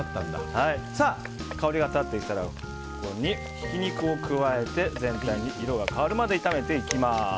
香りが立ってきたらここにひき肉を加えて全体の色が変わるまで炒めていきます。